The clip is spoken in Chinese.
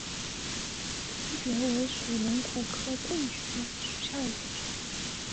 盾蕨为水龙骨科盾蕨属下的一个种。